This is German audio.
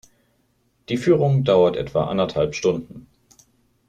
Die Führung dauert etwa anderthalb Stunden.